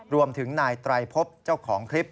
รวมถึงนายไตรพบเจ้าของคลิป